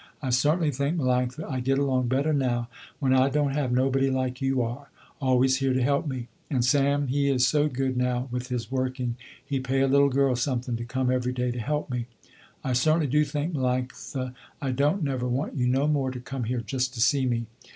I certainly think Melanctha I get along better now when I don't have nobody like you are, always here to help me, and Sam he do so good now with his working, he pay a little girl something to come every day to help me. I certainly do think Melanctha I don't never want you no more to come here just to see me."